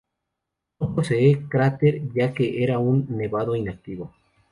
No posee crater ya que era un nevado inactivo.